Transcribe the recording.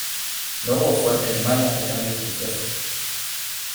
No hubo fuertes demandas de cambios religiosos.